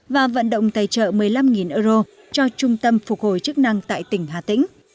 và vận động tài trợ một mươi năm euro cho trung tâm phục hồi chức năng tại tỉnh hà tĩnh